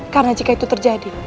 karena jika itu terjadi